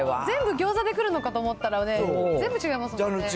全部餃子で来るのかと思ったらね、全部違いますもんね。